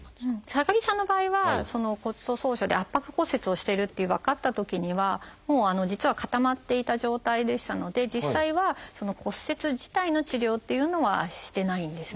高木さんの場合は骨粗しょう症で圧迫骨折をしていると分かったときにはもう実は固まっていた状態でしたので実際は骨折自体の治療っていうのはしてないんですね。